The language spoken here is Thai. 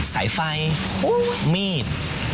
สายไฟมีด